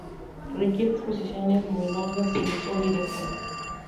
Requiere exposiciones luminosas sin sol directo.